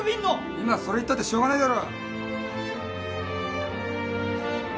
今それ言ったってしょうがないだろ！